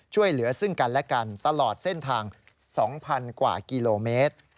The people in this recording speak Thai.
ช่วยเหลือซึ่งกันและกันตลอดเส้นทาง๒๐๐๐กว่ากิโลเมตร